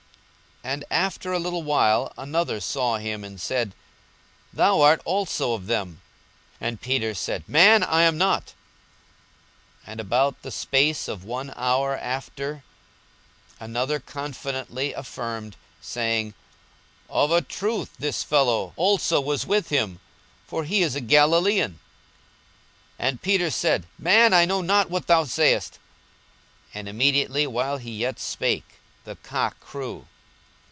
42:022:058 And after a little while another saw him, and said, Thou art also of them. And Peter said, Man, I am not. 42:022:059 And about the space of one hour after another confidently affirmed, saying, Of a truth this fellow also was with him: for he is a Galilaean. 42:022:060 And Peter said, Man, I know not what thou sayest. And immediately, while he yet spake, the cock crew.